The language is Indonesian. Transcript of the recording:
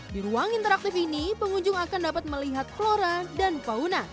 di ruang interaktif ini pengunjung akan dapat melihat flora dan fauna